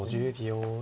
５０秒。